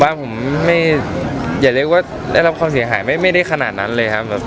บ้านผมไม่ได้รับความเสียหายไม่ได้ขนาดนั้นเลยครับ